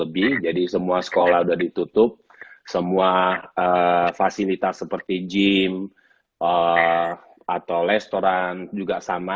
lebih jadi semua sekolah sudah ditutup semua fasilitas seperti gym atau restoran juga sama